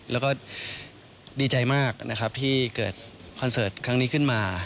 และก็ดีใจมากที่เกิดคอนเสิร์ตคันขึ้นมา